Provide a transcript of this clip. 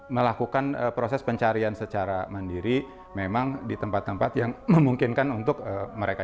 melakukan proses pencarian secara mandiri memang di tempat tempat yang memungkinkan untuk mereka